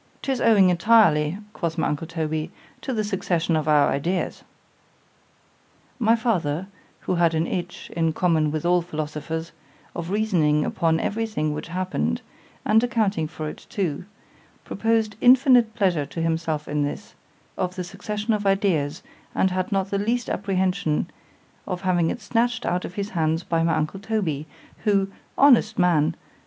——'Tis owing entirely, quoth my uncle Toby, to the succession of our ideas. My father, who had an itch, in common with all philosophers, of reasoning upon every thing which happened, and accounting for it too—proposed infinite pleasure to himself in this, of the succession of ideas, and had not the least apprehension of having it snatch'd out of his hands by my uncle Toby, who (honest man!)